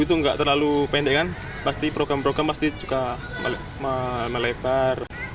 itu nggak terlalu pendek kan pasti program program pasti juga melebar